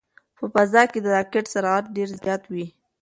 په فضا کې د راکټ سرعت ډېر زیات وي.